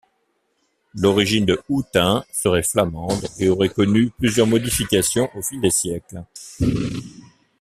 L'origine de Houtain serait flamande et aurait connu plusieurs modifications au fil des siècles.